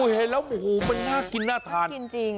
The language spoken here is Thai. เห็นแล้วโอ้โหมันน่ากินน่าทาน